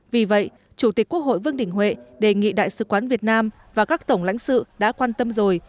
vì vậy chủ tịch quốc hội vương đình huệ đề nghị đại sứ quán việt nam và các tổng lãnh sự đã quan tâm rồi